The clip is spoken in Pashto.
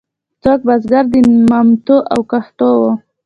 څوک بزګر د مامتو او د کښتو وو.